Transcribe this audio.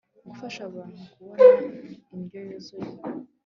gufasha abantu kubona indyo yuzuye